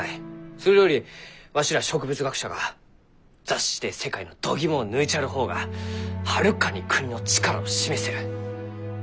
それよりわしら植物学者が雑誌で世界のどぎもを抜いちゃる方がはるかに国の力を示せる。